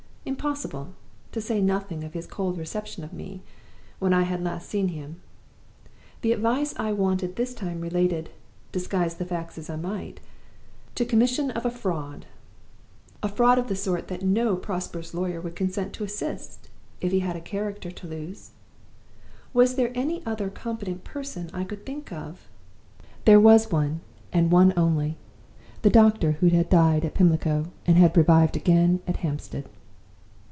Impossible! To say nothing of his cold reception of me when I had last seen him, the advice I wanted this time related (disguise the facts as I might) to commission of a Fraud a fraud of the sort that no prosperous lawyer would consent to assist if he had a character to lose. Was there any other competent person I could think of? There was one, and one only the doctor who had died at Pimlico, and had revived again at Hampstead.